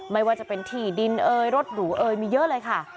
ไม่ว่าจะเป็นที่ดินเอยรถหรูเอยมีเยอะเลยค่ะ